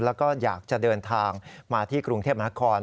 แล้วก็อยากจะเดินทางมาที่กรุงเทพมหานคร